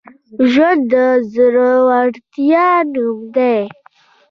ژوند د زړورتیا نوم دی.